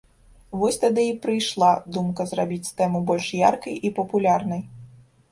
Вось тады і прыйшла думка зрабіць тэму больш яркай і папулярнай.